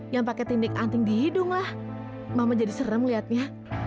sampai jumpa di video selanjutnya